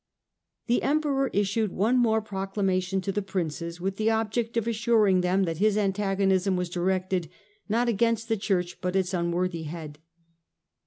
The Emperor issued one more proclamation to the Princes, with the object of assuring them that his antago nism was directed not against the Church but its un worthy head.